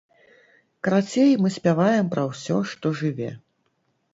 Карацей, мы спяваем пра ўсё, што жыве.